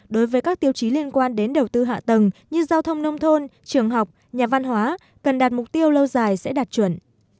đối với các tiêu chí liên quan đến đầu tư hạ tầng như giao thông nông thôn trường học nhà văn hóa cần đạt mục tiêu lâu dài sẽ đạt chuẩn